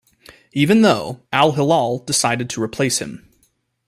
Even though, Al-Hilal decided to replace him.